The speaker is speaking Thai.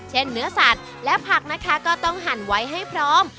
เนื้อสัตว์และผักนะคะก็ต้องหั่นไว้ให้พร้อม